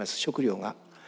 食料が。